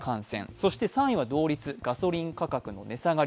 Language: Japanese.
そして３位は同率、ガソリン価格の値下がり。